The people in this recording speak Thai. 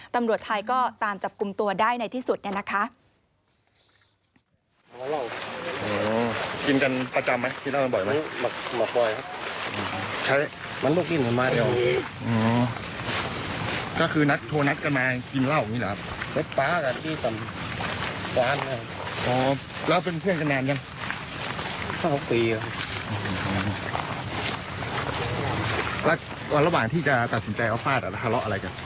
ตำรวจไทยก็ตามจับกลุ่มตัวได้ในที่สุดเนี่ยนะคะ